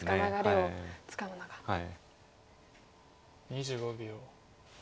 ２５秒。